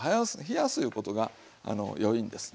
冷やすいうことがいいんです。